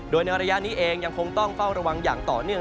โดยในระยะนี้เองยังคงต้องเฝ้าระวังอย่างต่อเนื่อง